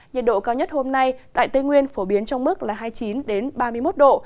nhiệt độ cao nhất hôm nay tại tây nguyên phổ biến trong mức là hai mươi chín ba mươi một độ